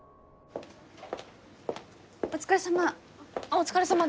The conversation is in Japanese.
お疲れさま。